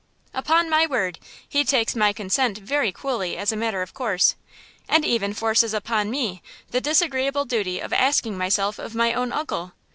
"Upon my word, he takes my consent very coolly as a matter of course, and even forces upon me the disagreeable duty of asking myself of my own uncle!